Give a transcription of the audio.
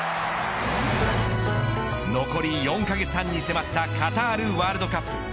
残り４カ月半に迫ったカタールワールドカップ。